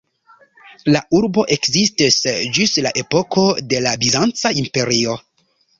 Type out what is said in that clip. La urbo ekzistis ĝis la epoko de la Bizanca Imperio.